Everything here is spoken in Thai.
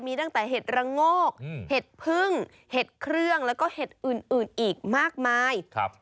มีตั้งแต่เห็ดระโงกเห็ดพึ่งเห็ดเครื่องแล้วก็เห็ดอื่นอีกมากมาย